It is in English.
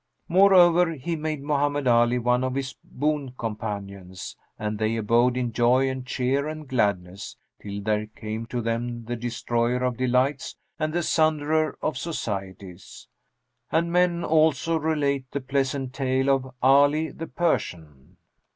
Moreover, he made Mohammed Ali one of his boon companions, and they abode in joy and cheer and gladness, till there came to them the Destroyer of delights and the Sunderer of societies. And men also relate the pleasant tale of ALI THE PERSIAN.